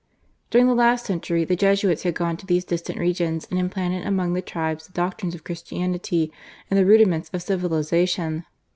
During the last century, the Jesuits had gone to these distant regions and implanted among the tribes the doctrines of Christianity and the rudi ments of civilization.